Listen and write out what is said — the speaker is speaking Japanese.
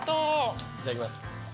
いただきます。